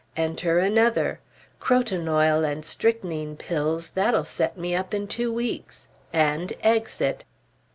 Enter another. Croton oil and strychnine pills, that'll set me up in two weeks. And exit.